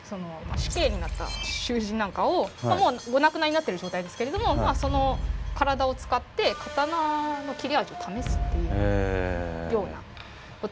死刑になった囚人なんかをもうお亡くなりになっている状態ですけれどもその体を使って刀の切れ味を試すっていうようなことがありまして。